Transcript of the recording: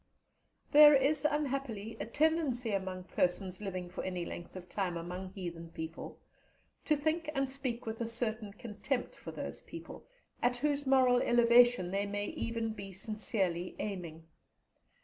There is unhappily a tendency among persons living for any length of time among heathen people, to think and speak with a certain contempt for those people, at whose moral elevation they may even be sincerely aiming.